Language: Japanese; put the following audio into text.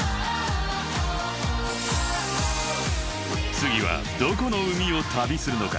［次はどこの海を旅するのか］